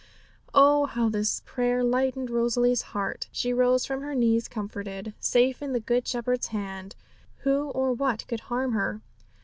Oh, how this prayer lightened little Rosalie's heart! She rose from her knees comforted. Safe in the Good Shepherd's hand, who or what could harm her?